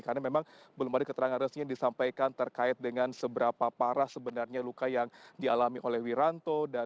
karena memang belum ada keterangan resmi yang disampaikan terkait dengan seberapa parah sebenarnya luka yang dialami oleh wiranto